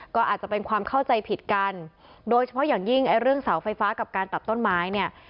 ก็อาจจะเป็นความเข้าใจผิดกันโดยเฉพาะอย่างยิ่งไอ้เรื่องเสาไฟฟ้ากับการตัดต้นไม้เนี่ย